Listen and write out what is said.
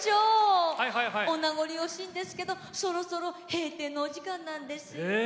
お名残惜しいんですけれどそろそろ閉店のお時間です。